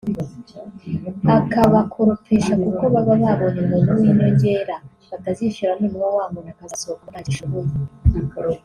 akabakoropesha kuko baba babonye umuntu w’inyongera batazishyura noneho wa muntu akazasohokamo ntacyo ashoboye